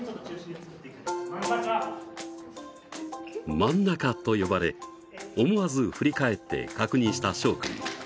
真ん中と呼ばれ、思わず振り返って確認したしょう君。